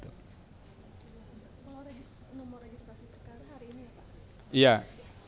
kalau nomor registrasi perkara hari ini ya pak